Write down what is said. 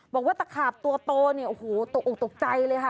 บอกว่าตะขาบตัวโตเนี่ยโอ้โหตกออกตกใจเลยค่ะ